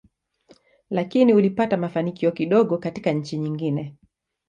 Lakini ulipata mafanikio kidogo katika nchi nyingine.